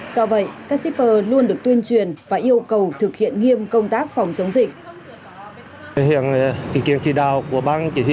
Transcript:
do vậy các shipper luôn được tuyên truyền và yêu cầu thực hiện nghiêm công tác phòng chống dịch